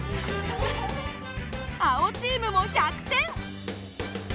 青チームも１００点！